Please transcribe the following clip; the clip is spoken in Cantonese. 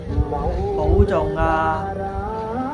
保重呀